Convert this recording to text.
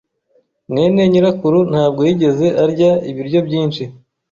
mwene nyirakuru ntabwo yigeze arya ibiryo byinshi.